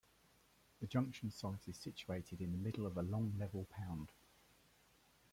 The junction site is situated in the middle of a long level pound.